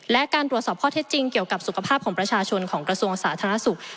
และการตรวจสอบข้อเท็จจริงเกี่ยวกับสุขภาพของประชาชนของกระทรวงสาธารณสุข